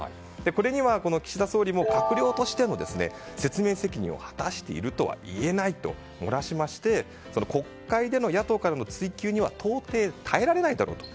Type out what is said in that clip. これには岸田総理も閣僚としての説明責任を果たしてるとは言えないと話しまして国会での野党からの追及には到底、耐えられないだろうと。